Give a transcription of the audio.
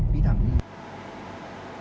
ví thẳng đi